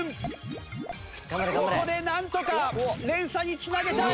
ここでなんとか連鎖に繋げたい。